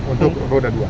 untuk roda dua